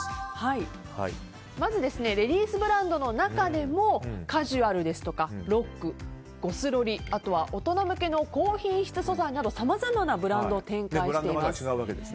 まずレディースブランドの中でもカジュアルですとかロック・ゴスロリあとは大人向けの高品質素材などさまざまなブランドを展開しています。